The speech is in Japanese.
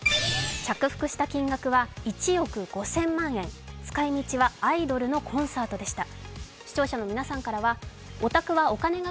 着服した金額は１億５０００万円、使い道はアイドルのコンサートでした。